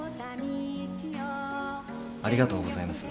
ありがとうございます。